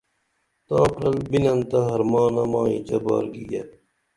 تاں پرل بِنن تہ حرمانہ ما اینچہ بار گیگے